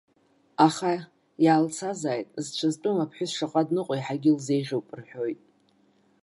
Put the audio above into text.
Аха иаалцазааит, зцәа зтәым аԥҳәыс шаҟа дныҟәо иаҳагьы илзеиӷьуп, рҳәоит.